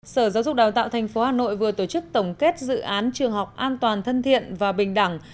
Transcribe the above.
sở giáo dục đào tạo tp hà nội vừa tổ chức tổng kết dự án trường học an toàn thân thiện và bình đẳng